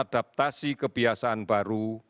agar adaptasi kebiasaan baru